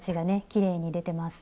きれいに出てます。